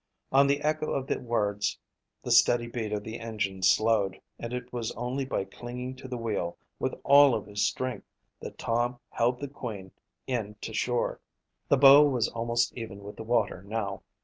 On the echo of the words the steady beat of the engines slowed and it was only by clinging to the wheel with all of his strength that Tom held the Queen in to shore. The bow was almost even with the water now.